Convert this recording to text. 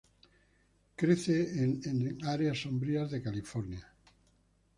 Crece en áreas sombrías de California.